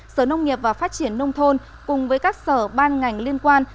sở nông nghiệp và phát triển nông thôn cùng với các sở ban ngành liên quan